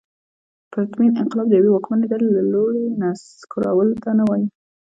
پرتمین انقلاب د یوې واکمنې ډلې له لوري نسکورولو ته نه وايي.